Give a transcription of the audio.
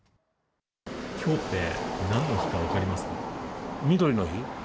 きょうって何の日か分かりまみどりの日？